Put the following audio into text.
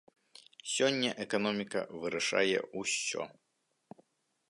Сёння эканоміка вырашае усё.